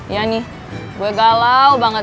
ya nih gue galau banget